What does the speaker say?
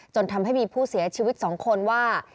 จนทำให้มีผู้เสียชีวิต๒คนว่า